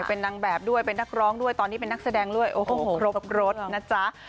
เป็นนางแบบด้วยเป็นนักร้องด้วยตอนนี้เป็นนักแสดงด้วยโอ้โหครบรถนะจ๊ะ